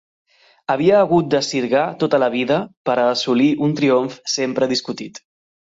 Havia hagut de sirgar tota la vida per a assolir un triomf sempre discutit.